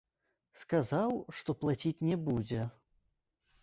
Сказаў, што плаціць не будзе.